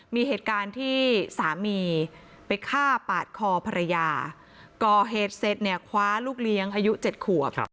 มีเหตุการณ์ที่สามีไปฆ่าปาดคอภรรยาก่อเหตุเสร็จเนี่ยคว้าลูกเลี้ยงอายุ๗ขวบ